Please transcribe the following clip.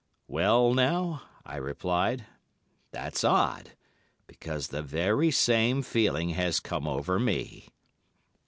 'Well now,' I replied, 'that's odd, because the very same feeling has come over me.